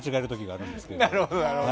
なるほど。